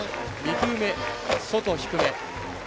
２球目、外低め。